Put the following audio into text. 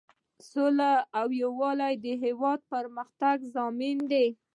سوله او یووالی د هیواد د پرمختګ ضامن دی.